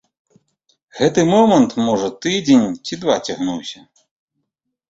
Гэты момант, можа, тыдзень ці два цягнуўся.